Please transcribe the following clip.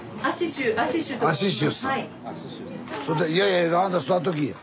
そんないやいやあんた座っときぃや。